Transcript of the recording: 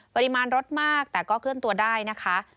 ปริมาณรถมากแต่ก็เคลื่อนตัวได้นะคะ